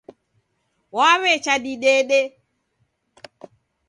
Wawecha didede.